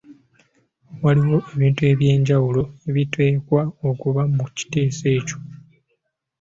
Waliwo ebintu eby’enjawulo ebiteekwa okuba mu kiteeso ekyo.